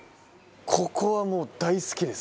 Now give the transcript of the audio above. ここはもう大好きです。